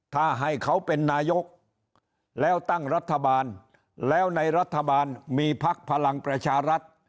ถ้าให้เขาเป็นนายกแล้วตั้งรัฐบาลแล้วในรัฐบาลมีพักพลังประชารัฐ